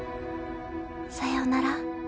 「さようなら。